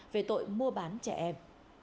về tội mua bán trẻ em